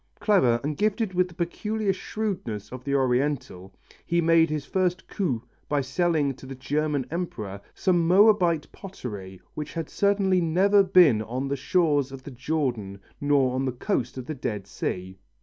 Clever and gifted with the peculiar shrewdness of the Oriental, he made his first coup by selling to the German Emperor some Moabite pottery which had certainly never been on the shores of the Jordan nor on the coast of the Dead Sea.